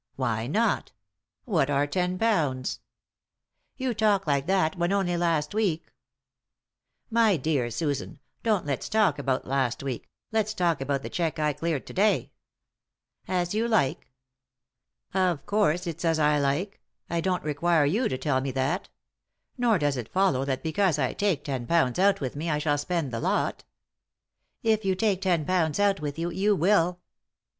" Why not ? What are ten pounds ?" 226 3i 9 iii^d by Google THE INTERRUPTED KISS "You talk like that, when only last week "" My dear Susan, don't let's talk about last week, let's talk about the cheque I cleared to day." "As you like." "Of course it's as I like; I don't require you to tell me that. Nor does it follow that because I take ten pounds out with me I shall spend the lot" "If you take ten pounds out with you, you will."